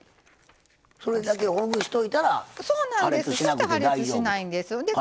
それだけほぐしといたら破裂しなくて大丈夫。